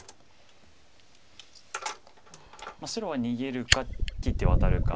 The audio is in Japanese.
白は逃げるか切ってワタるか。